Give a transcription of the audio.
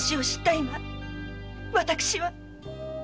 今私は。